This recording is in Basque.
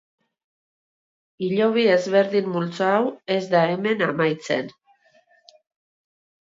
Hilobi ezberdin multzo hau ez da hemen amaitzen.